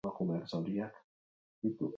Aldi berean, jokoa eda edatea zituen gustuko.